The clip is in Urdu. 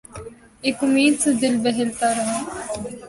ایک امید سے دل بہلتا رہا